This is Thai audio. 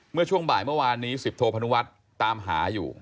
เมื่อช่วงบ่ายเมื่อวานนี้๑๐โทพนุวัฒน์ตามหาอยู่